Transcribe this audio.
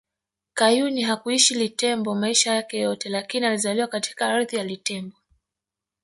Kayuni hakuishi Litembo maisha yake yote lakini alizaliwa katika ardhi ya Litembo